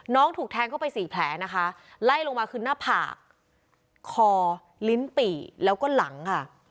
ถูกแทงเข้าไปสี่แผลนะคะไล่ลงมาคือหน้าผากคอลิ้นปี่แล้วก็หลังค่ะ